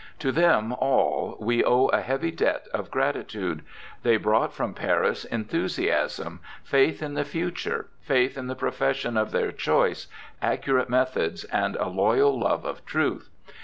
To them all we owe a heavy debt of gratitude. They brought from Paris enthusiasm, faith in the future, faith in the pro fession of their choice, accurate methods, and a loyal love of truth.